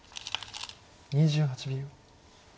２８秒。